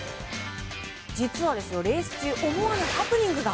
実はレース中思わぬハプニングが。